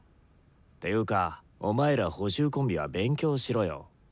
ていうかお前ら補習コンビは勉強しろよ。